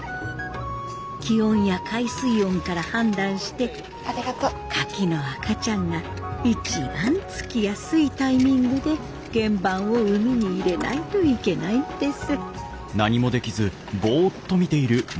気温や海水温から判断してカキの赤ちゃんが一番つきやすいタイミングで原盤を海に入れないといけないんです。